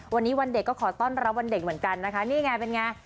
วันนี้วันเด็กก็ขอต้อนรับวันเด็กเหมือนกันนะคะนี่ไงเป็นไง